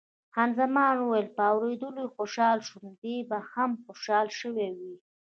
خان زمان وویل، په اورېدلو یې خوشاله شوم، دی به هم خوشاله شوی وي.